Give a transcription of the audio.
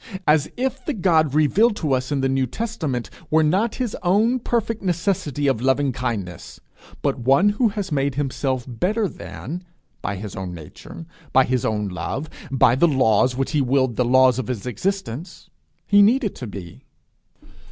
As if the God revealed to us in the New Testament were not his own perfect necessity of loving kindness, but one who has made himself better than, by his own nature, by his own love, by the laws which he willed the laws of his existence, he needed to be!